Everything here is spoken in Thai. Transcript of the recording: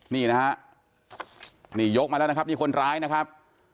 นี่นะฮะนี่ยกมาแล้วนะครับนี่คนร้ายนะครับ